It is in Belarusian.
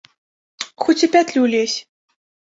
Хоць у пятлю лезь.